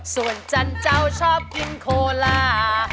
ส่วนจันเจ้าชอบกินโคลา